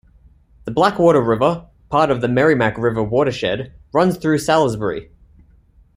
The Blackwater River, part of the Merrimack River watershed, runs through Salisbury.